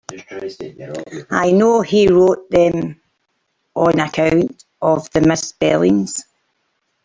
I know he wrote them on account of the misspellings.